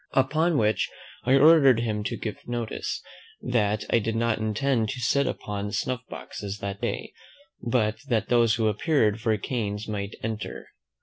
Upon which I ordered him to give notice, that I did not intend to sit upon snuff boxes that day; but that those who appeared for canes might enter.